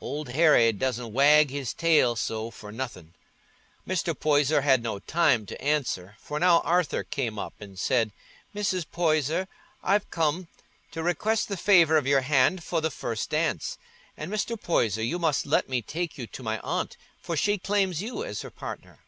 Old Harry doesna wag his tail so for nothin'." Mr. Poyser had no time to answer, for now Arthur came up and said, "Mrs. Poyser, I'm come to request the favour of your hand for the first dance; and, Mr. Poyser, you must let me take you to my aunt, for she claims you as her partner."